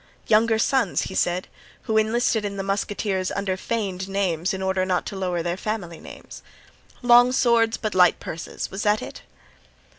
"Younger sons," he said, "who enlisted in the musketeers under feigned names in order not to lower their family names. Long swords but light purses. Was that it?"